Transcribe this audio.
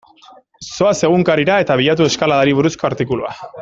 Zoaz egunkarira eta bilatu eskaladari buruzko artikulua.